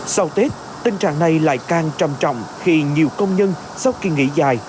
sau tết tình trạng này lại càng trầm trọng khi nhiều công nhân sau kỳ nghỉ dài